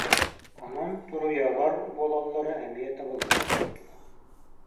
Онон туруйалар буолаллара эмиэ табыллыбат курдуга